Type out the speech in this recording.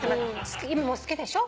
好きでしょ？